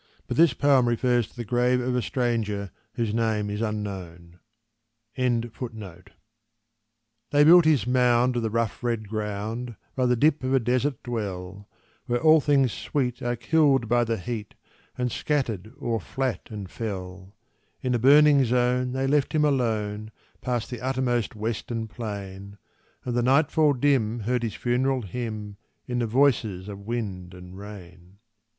W., but this poem refers to the grave of a stranger whose name is unknown. They built his mound of the rough, red ground, By the dip of a desert dell, Where all things sweet are killed by the heat, And scattered o'er flat and fell; In a burning zone they left him alone, Past the uttermost western plain, And the nightfall dim heard his funeral hymn In the voices of wind and rain.